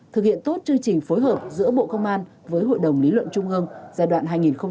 thực hiện tốt chương trình phối hợp giữa bộ công an với hội đồng lý luận trung ương giai đoạn hai nghìn một mươi sáu hai nghìn hai mươi